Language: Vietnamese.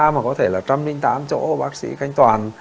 mà có thể là một trăm linh tám chỗ bác sĩ canh toàn